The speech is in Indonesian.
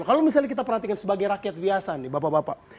kalau misalnya kita perhatikan sebagai rakyat biasa nih bapak bapak